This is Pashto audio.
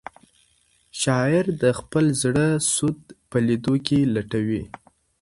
شاعر د خپل زړه سود په لیدو کې لټوي.